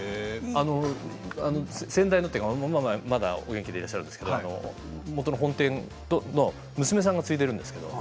先代の、というかまだまだお元気でいらっしゃるんですけれども本店の娘さんが継いでいるんです。